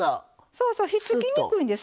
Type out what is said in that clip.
そうそうひっつきにくいんです。